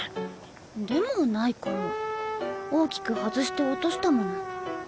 でもないかも大きく外して落としたもの。